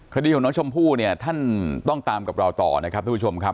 คดีของน้องชมพู่เนี่ยท่านต้องตามกับเราต่อนะครับทุกผู้ชมครับ